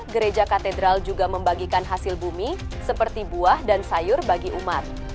gereja katedral juga membagikan hasil bumi seperti buah dan sayur bagi umat